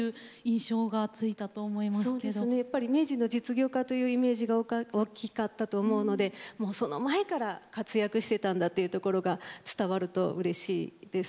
やっぱり明治の実業家というイメージが大きかったと思うのでもうその前から活躍してたんだというところが伝わるとうれしいです。